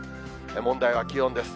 問題は気温です。